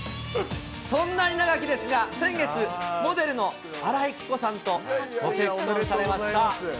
そんな稲垣ですが、先月、モデルの新井貴子さんとご結婚されました。